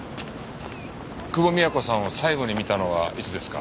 久保美也子さんを最後に見たのはいつですか？